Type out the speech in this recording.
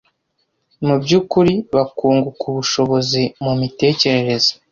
mu by’umubiri, bakunguka ubushobozi mu mitekerereze